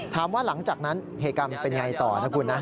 ถามว่าหลังจากนั้นเหตุการณ์คนเป็นอย่ายังต่อนะครับ